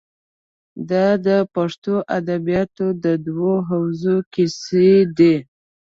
دا د پښتو ادبیاتو د دوو حوزو کیسې دي.